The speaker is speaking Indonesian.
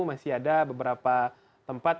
masih ada beberapa tempat